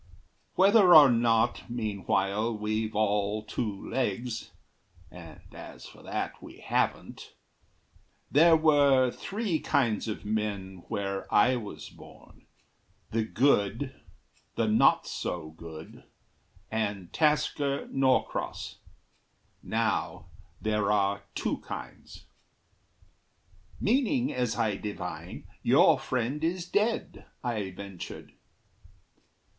Whether or not, meanwhile, We've all two legs and as for that, we haven't There were three kinds of men where I was born: The good, the not so good, and Tasker Norcross. Now there are two kinds." "Meaning, as I divine, Your friend is dead," I ventured.